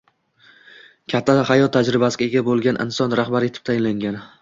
Katta hayot tajribasiga ega boʻlgan inson rahbar etib tayinlangan